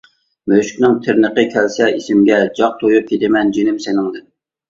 مۈشۈكنىڭ تىرنىقى كەلسە ئېسىمگە، جاق تويۇپ كېتىمەن جېنىم سېنىڭدىن!